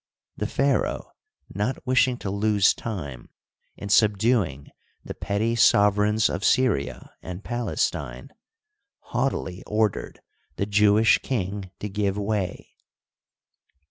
The pharaoh, not wishing to lose time in subduing the petty sovereigns of Syria and Palestine, haughtily ordered the Jewish king to give way.